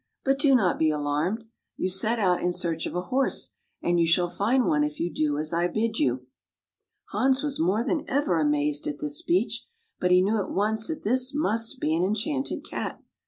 " But do not be alarmed. You set out in search of a horse, and you shall find one if you do as I bid you." Hans was more than ever amazed at this speech, but he knew at once that this must be an enchanted Cat.